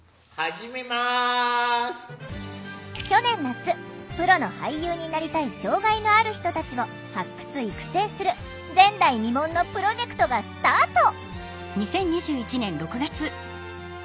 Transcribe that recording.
去年夏プロの俳優になりたい障害のある人たちを発掘・育成する前代未聞のプロジェクトがスタート！